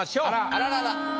あららら。